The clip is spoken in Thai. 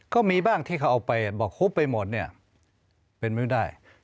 ก็มีบ้างที่เขาเอาไปบอกครบไปหมดเนี่ยเป็นไม่ได้